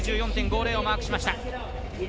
９４．５０をマークしました。